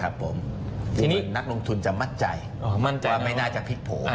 ครับผมนักลงทุนจะมั่นใจว่าไม่น่าจะพลิกโผล่